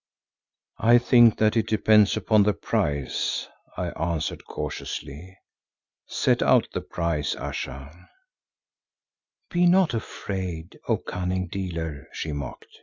"I think that it depends upon the price," I answered cautiously. "Set out the price, Ayesha." "Be not afraid, O cunning dealer," she mocked.